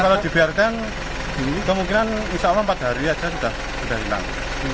kalau dibiarkan kemungkinan insya allah empat hari saja sudah hilang